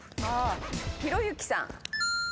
ひろゆきさん。